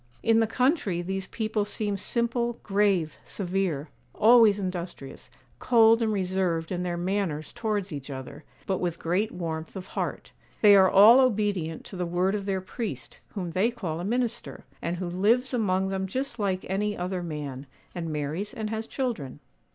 'In the country these people seem simple, grave, severe; always industrious; cold and reserved in their manners towards each other, but with great warmth of heart. They are all obedient to the word of their priest, whom they call a minister, and who lives among them just like any other man, and marries and has children.